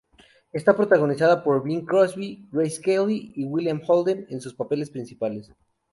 Está protagonizada por Bing Crosby, Grace Kelly y William Holden en sus papeles principales.